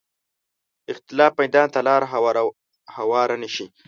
د اختلاف میدان ته لاره هواره نه شي